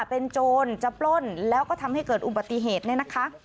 เป็นโจรจะปล้นแล้วก็ทำให้เกิดอุบัติเหตุเนี่ยนะคะ